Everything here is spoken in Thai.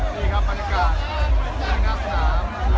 ส่วนใหญ่เลยครับ